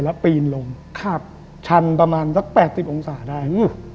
แล้วปีนลงชันประมาณสัก๘๐องศาได้